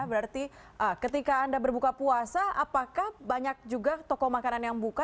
berarti ketika anda berbuka puasa apakah banyak juga toko makanan yang buka